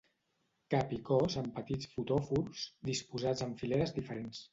Cap i cos amb petits fotòfors disposats en fileres diferents.